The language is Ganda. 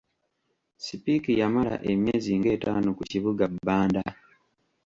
Speke yamala emyezi ng'etaano ku kibuga Bbanda.